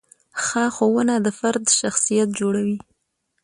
ښه ښوونه د فرد شخصیت جوړوي.